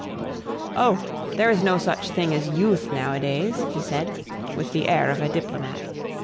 "Oh! there is no such thing as youth nowadays," he said, with the air of a diplomat.